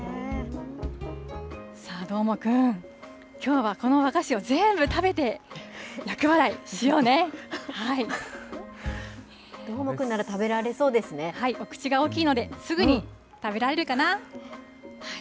さあ、どーもくん、きょうはこの和菓子を全部食べて、どーもくんなら食べられそうお口が大きいので、すぐに食べられるかな？